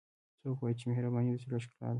څوک وایي چې مهربانۍ د زړه ښکلا ده